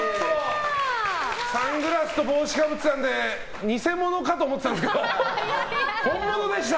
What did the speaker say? サングラスと帽子かぶってたので偽物かと思ってたんですけど本物でした！